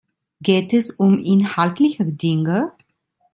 Geht es um inhaltliche Dinge?